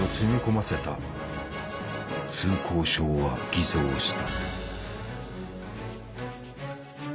通行証は偽造した。